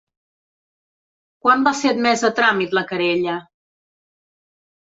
Quan va ser admesa a tràmit la querella?